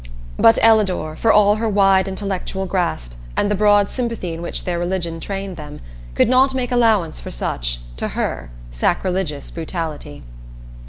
But Ellador, for all her wide intellectual grasp, and the broad sympathy in which their religion trained them, could not make allowance for such to her sacrilegious brutality.